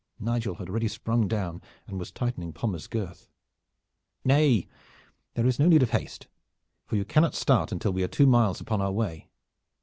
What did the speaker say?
Nigel had already sprung down and was tightening Pommers' girth. "Nay, there is no need of haste, for you cannot start until we are two miles upon our way.